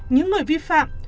những người vi phạm